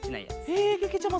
へえけけちゃま